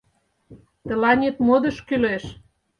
Тыланет модыш кӱлеш...